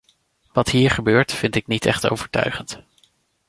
Wat hier gebeurt, vind ik niet echt overtuigend.